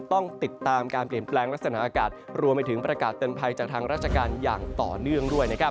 ต้องติดตามการเปลี่ยนแปลงลักษณะอากาศรวมไปถึงประกาศเตือนภัยจากทางราชการอย่างต่อเนื่องด้วยนะครับ